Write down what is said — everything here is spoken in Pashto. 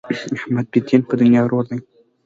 احمد مې دین په دنیا ورور دی.